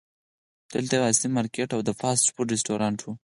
دلته یو عصري مارکیټ او د فاسټ فوډ رسټورانټ و.